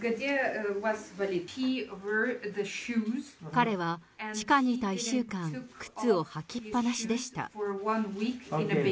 彼は地下にいた１週間、靴を履きっぱなしでした。